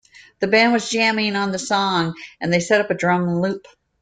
The band was jamming on the song, and they set up a drum loop.